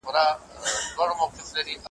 مساپري بده بلا ده `